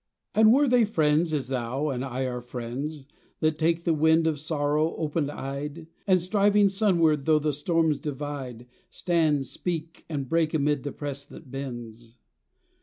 AND were they friends as thou and I are friends That take the wind of sorrow open eyed, And, striving sunward though the storms divide, Stand, speak and break amid the press that bends?